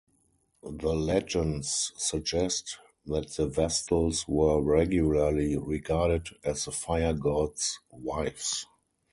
The legends suggest that the Vestals were regularly regarded as the fire-god's wives.